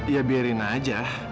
ya biarin aja